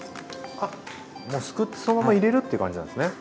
あっすくってそのまま入れるって感じなんですね。